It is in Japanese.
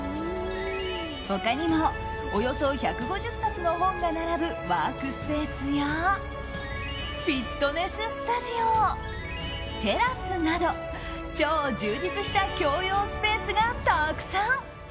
他にも、およそ１５０冊の本が並ぶワークスペースやフィットネススタジオテラスなど超充実した共用スペースがたくさん。